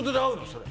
それ。